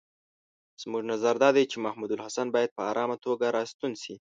زموږ نظر دا دی چې محمودالحسن باید په آرامه توګه را ستون شي.